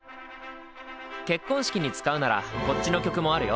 結婚式に使うならこっちの曲もあるよ。